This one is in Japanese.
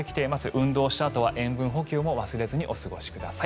運動をしたあとは塩分補給を忘れずにお過ごしください。